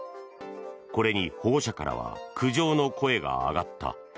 これに保護者からは苦情の声が上がった。